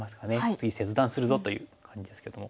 次切断するぞという感じですけども。